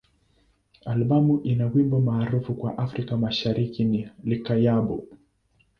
Albamu ina wimbo maarufu kwa Afrika Mashariki ni "Likayabo.